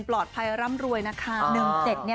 ปลอดภัยร่ำรวยนะคะ